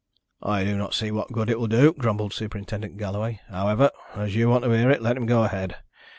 "I do not see what good it will do," grumbled Superintendent Galloway. "However, as you want to hear it, let him go ahead.